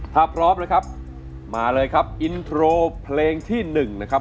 ถ้าพร้อมนะครับมาเลยครับอินโทรเพลงที่๑นะครับ